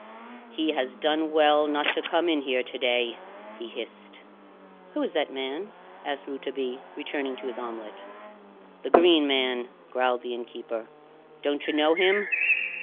"He has done well not to come in here to day!" he hissed. "Who is that man?" asked Rouletabille, returning to his omelette. "The Green Man," growled the innkeeper. "Don't you know him?